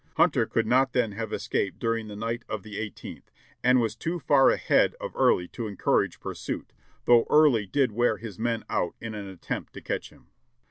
Hunter could not then have escaped during the night of the i8th, and was too far ahead of Early to en courage pursuit, though Early did wear his men out in an attempt to catch him.